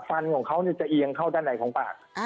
ฟันของเขาจะเอียงเข้าด้านในของปาก